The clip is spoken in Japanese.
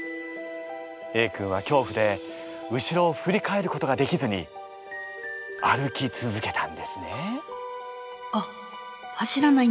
Ａ君はきょうふで後ろをふり返ることができずに歩き続けたんですね。